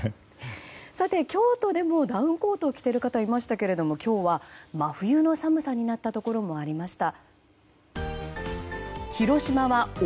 さて、京都でもダウンコート着ている方いましたけど今日は真冬の寒さになったところもありました。